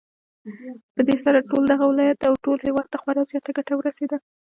پدې سره ټول دغه ولايت او ټول هېواد ته خورا زياته گټه ورسېده